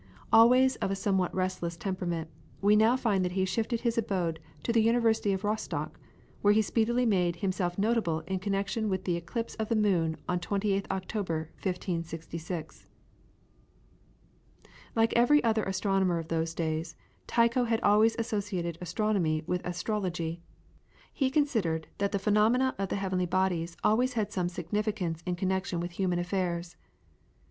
Always of a somewhat restless temperament, we now find that he shifted his abode to the University of Rostock, where he speedily made himself notable in connection with an eclipse of the moon on 28th October, 1566. Like every other astronomer of those days, Tycho had always associated astronomy with astrology. He considered that the phenomena of the heavenly bodies always had some significance in connection with human affairs.